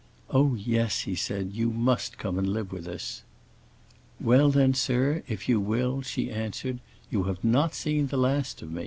"Oh, yes," he said, "you must come and live with us." "Well then, sir, if you will," she answered, "you have not seen the last of me!"